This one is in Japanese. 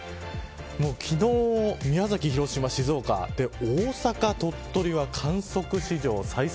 昨日、宮崎、広島、静岡大阪、鳥取は観測史上最速